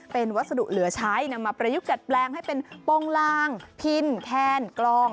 เป็นวัสดุเหลือใช้นำมาประยุกต์ดัดแปลงให้เป็นโปรงลางพินแคนกล้อง